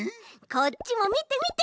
こっちもみてみて。